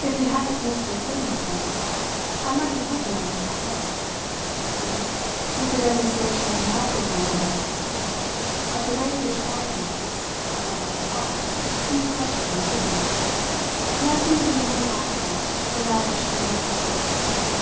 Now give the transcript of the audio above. If he hadn't missed it in her for himself I mightn't put him on the track of it; since, with the demonstration he had before my eyes received of the rate at which Long was, as one had to call it, intellectually living, nothing would be more natural than that he should make the cases fit.